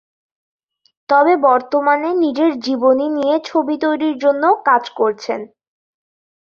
তবে বর্তমানে নিজের জীবনী নিয়ে ছবি তৈরির জন্য কাজ করছেন।